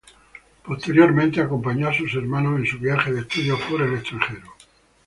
Posteriormente, acompañó a sus hermanos en su viaje de estudios por el extranjero.